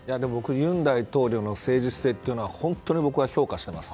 尹大統領の政治姿勢というのは僕は本当に評価しています。